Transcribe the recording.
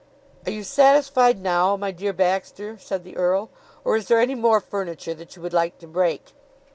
"Are you satisfied now, my dear Baxter," said the earl, "or is there any more furniture that you would like to break?